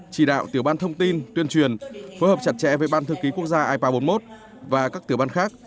chỉ đạo tiểu ban thông tin tuyên truyền phối hợp chặt chẽ với ban thư ký quốc gia ipa bốn mươi một và các tiểu ban khác